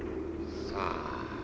さあ。